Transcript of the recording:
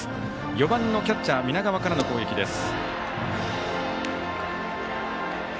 ４番のキャッチャー南川からの攻撃です。